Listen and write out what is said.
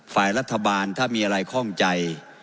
ฝ่ายรัฐบาลถ้ามีอะไรคล่องใจ